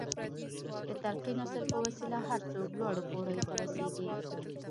د تلقين اصل په وسيله هر څوک لوړو پوړيو ته رسېږي.